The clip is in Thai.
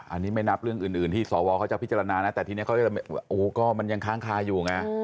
อันนี้ไม่นับเรื่องอื่นที่สวเขาจะพิจารณานะแต่ทีนี้เขาจะมันยังค้างคาอยู่ไง